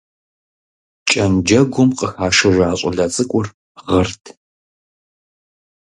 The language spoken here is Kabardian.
Кӏэнджэгум къыхашыжа щӏалэ цӏыкӏур гъырт.